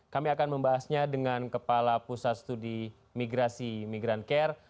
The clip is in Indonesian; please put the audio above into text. kami akan membahasnya dengan kepala pusat studi migrasi migrancare